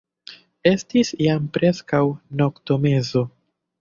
Estis jam preskaŭ noktomezo.